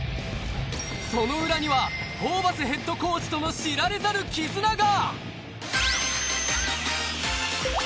その裏にはホーバスＨＣとの知られざる絆が！